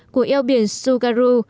của eo biển sugaru